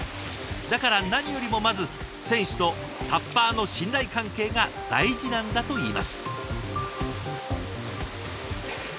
だから何よりもまず選手とタッパーの信頼関係が大事なんだといいます。